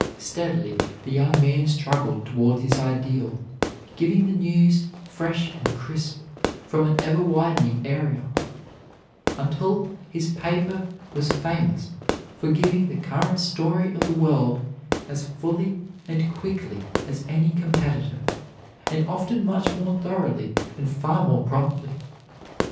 Steadily the young man struggled towards his ideal, giving the news, fresh and crisp, from an ever widening area, until his paper was famous for giving the current history of the world as fully and quickly as any competitor, and often much more thoroughly and far more promptly.